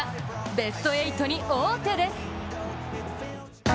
ベスト８に王手です。